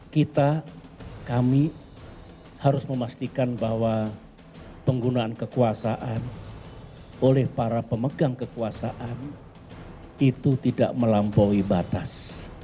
kita kami harus memastikan bahwa penggunaan kekuasaan oleh para pemegang kekuasaan itu tidak melampaui batas